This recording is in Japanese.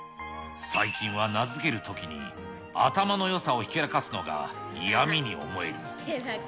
最近は名付けるときに、頭のよさをひけらかすのが嫌みに思える。